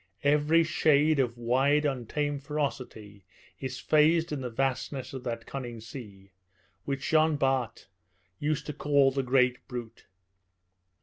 Every shade of wild, untamed ferocity is phased in the vastness of that cunning sea, which Jean Bart used to call the "great brute."